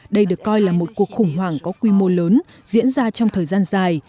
đây được coi là một cuộc khủng hoảng có quy mô lớn diễn ra trong thời gian dài